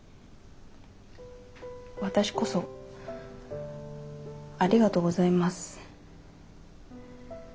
私こそありがとうございます。